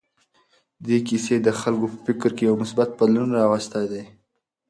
دې کیسې د خلکو په فکر کې یو مثبت بدلون راوستی.